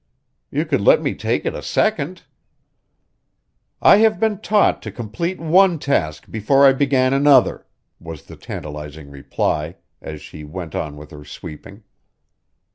"You could let me take it a second." "I have been taught to complete one task before I began another," was the tantalizing reply, as she went on with her sweeping.